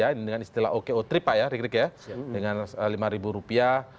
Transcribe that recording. ini dengan istilah oko tiga pak ya dengan lima ribu rupiah